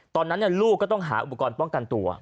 ตอนนั้นลูกก็ต้องหาอุปกรณ์ป้องกันตัว